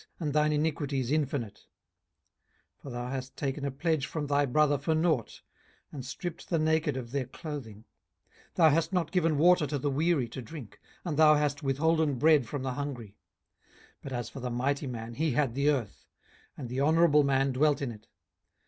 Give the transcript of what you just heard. and thine iniquities infinite? 18:022:006 For thou hast taken a pledge from thy brother for nought, and stripped the naked of their clothing. 18:022:007 Thou hast not given water to the weary to drink, and thou hast withholden bread from the hungry. 18:022:008 But as for the mighty man, he had the earth; and the honourable man dwelt in it.